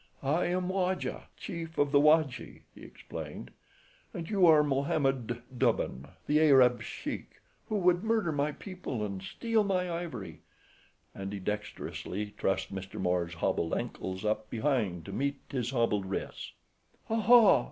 "I am Waja, chief of the Waji," he explained, "and you are Mohammed Dubn, the Arab sheik, who would murder my people and steal my ivory," and he dexterously trussed Mr. Moore's hobbled ankles up behind to meet his hobbled wrists. "Ah—ha!